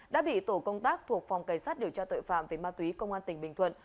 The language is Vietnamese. đã bị tổ công tác thuộc phòng cảnh sát điều tra tội phạm về ma túy công an tỉnh bình thuận